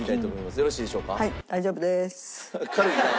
よろしいでしょうか？